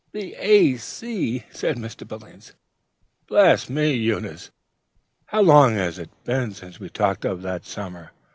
"The 'A.C.'!" said Mr. Billings. "Bless me, Eunice! how long it is since we have talked of that summer!